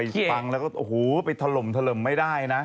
โอ้ยโหไปถล่มทล่มไม่ได้นะ